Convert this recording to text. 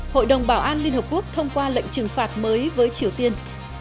hội đồng bảo an liên hợp quốc thông qua lệnh trừng phạt mới với triều tiên